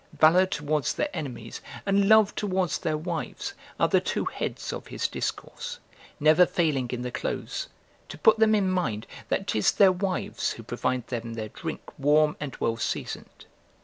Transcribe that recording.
Valour towards their enemies and love towards their wives, are the two heads of his discourse, never failing in the close, to put them in mind, that 'tis their wives who provide them their drink warm and well seasoned.